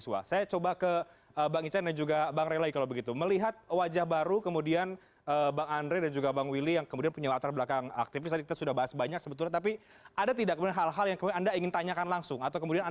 sekarang saya mau tanya ke teman teman